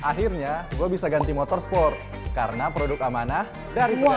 akhirnya gue bisa ganti motorsport karena produk amanah dari pusat